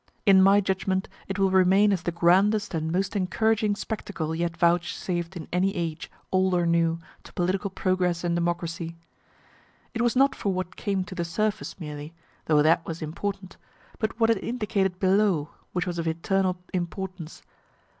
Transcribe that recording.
In my judgment it will remain as the grandest and most encouraging spectacle yet vouchsafed in any age, old or new, to political progress and democracy. It was not for what came to the surface merely though that was important but what it indicated below, which was of eternal importance.